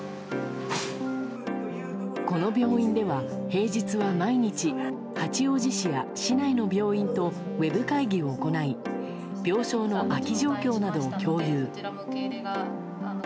この病院では平日は毎日八王子市や市内の病院とウェブ会議を行い病床の空き状況などを共有。